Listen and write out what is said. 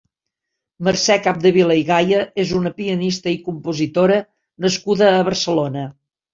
Mercè Capdevila i Gaya és una pianista i compositora nascuda a Barcelona.